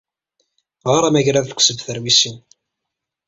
Ɣer amagrad deg usebter wis sin.